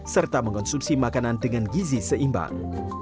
serta mengonsumsi makanan dengan gizi seimbang